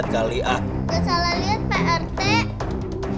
saya salah liat pak rt